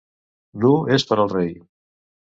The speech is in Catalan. L'u és per al rei.